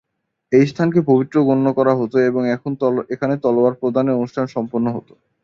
এই স্থানকে পবিত্র গণ্য করা হত এবং এখানে তলোয়ার প্রদানের অনুষ্ঠান সম্পন্ন হত।